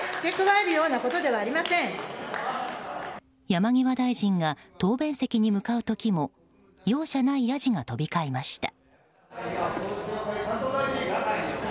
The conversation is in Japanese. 山際大臣が答弁席に向かう時も容赦ないやじが飛び交いました。